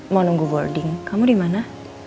mau nunggu boarding kamu dimana